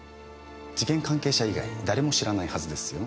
事件関係者以外誰も知らないはずですよ。